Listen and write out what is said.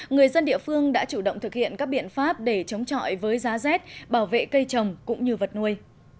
người dân địa phương đã chủ động thực hiện các biện pháp để chống chọi với giá rét bảo vệ cây trồng cũng như vật nuôi